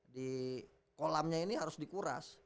di kolamnya ini harus dikuras